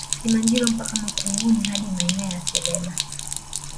Simanjiro mpaka Makuyuni hadi maeneo ya Selela